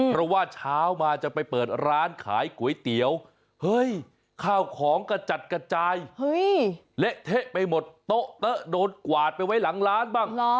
เพราะว่าเช้ามาจะไปเปิดร้านขายก๋วยเตี๋ยวเฮ้ยข้าวของกระจัดกระจายเละเทะไปหมดโต๊ะเต๊ะโดนกวาดไปไว้หลังร้านบ้าง